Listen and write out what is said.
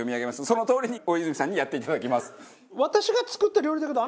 そのとおりに大泉さんにやっていただきます。